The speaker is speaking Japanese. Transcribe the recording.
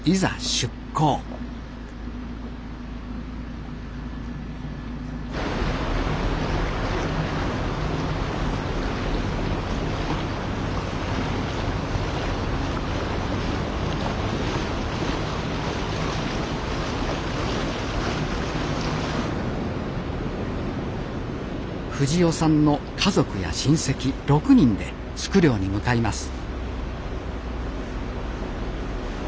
出航藤夫さんの家族や親戚６人でスク漁に向かいます